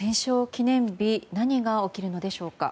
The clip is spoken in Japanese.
記念日何が起きるのでしょうか。